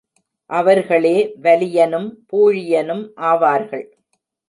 அவர்களே வலியனும் பூழியனும் ஆவார்கள்.